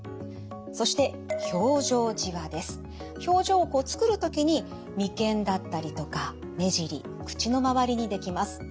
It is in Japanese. そして表情をつくる時に眉間だったりとか目尻口の周りにできます。